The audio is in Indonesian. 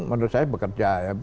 menurut saya bekerja